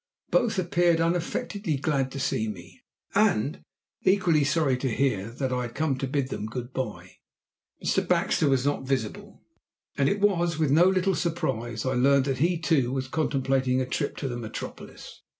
Both appeared unaffectedly glad to see me, and equally sorry to hear that I had come to bid them good bye. Mr. Baxter was not visible, and it was with no little surprise I learned that he, too, was contemplating a trip to the metropolis.